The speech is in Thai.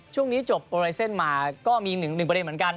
ช่วงนี้จบโปรไลเซ็นต์มาก็มีหนึ่งประเด็นเหมือนกัน